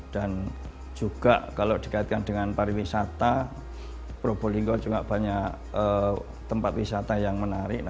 dan juga kalau dikaitkan dengan pariwisata probolinggo juga banyak tempat wisata yang menarik